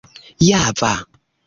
java